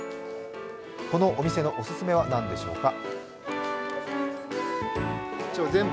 このお店のお勧めは何でしょうか。